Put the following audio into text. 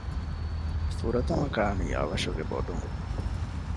ފުރަތަމަ ކާނީ އަވަށުގެ ބޮޑުން